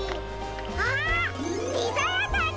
あっピザやさんだ！